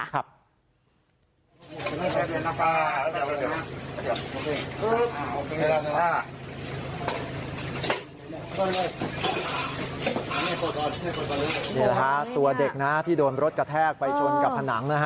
นี่แหละฮะตัวเด็กนะที่โดนรถกระแทกไปชนกับผนังนะฮะ